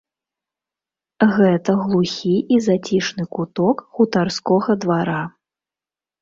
Гэта глухі і зацішны куток хутарскога двара.